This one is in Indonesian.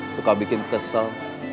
suka bikin kesel